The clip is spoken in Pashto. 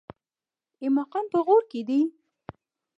ایماقان په غور کې دي؟